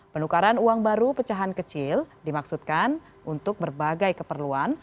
penukaran uang baru pecahan kecil dimaksudkan untuk berbagai keperluan